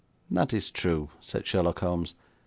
'That is true,' said Sherlock Holmes.